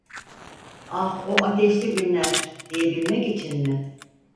"Ah, o ateşli günler!’ diyebilmek için mi?